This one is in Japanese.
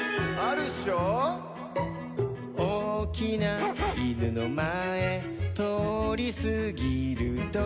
「おおきないぬのまえとおりすぎるとき」